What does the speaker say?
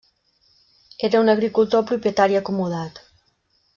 Era un agricultor propietari acomodat.